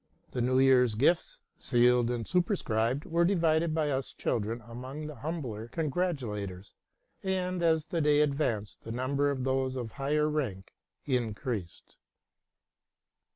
The New Year's gifts, sealed and superscribed, were divided by us children among the humbler congratu lators: and, as the day advanced, the number of those of higher rank increased.